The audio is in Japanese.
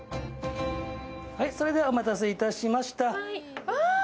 それではお待たせいたしました。